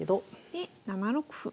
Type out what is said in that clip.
で７六歩。